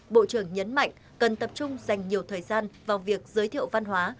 bộ trưởng nhấn mạnh cần tập trung dành nhiều thời gian vào việc giới thiệu văn hóa